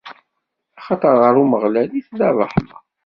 Axaṭer ɣer Umeɣlal i tella ṛṛeḥma.